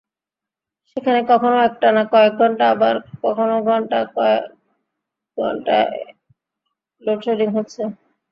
সেখানে কখনো একটানা কয়েক ঘণ্টা, আবার কখনো ঘণ্টায় ঘণ্টায় লোডশেডিং হচ্ছে।